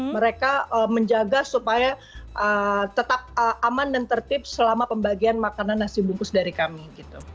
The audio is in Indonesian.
mereka menjaga supaya tetap aman dan tertib selama pembagian makanan nasi bungkus dari kami gitu